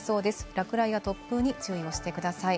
落雷や突風に注意をしてください。